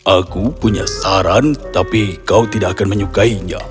aku punya saran tapi kau tidak akan menyukainya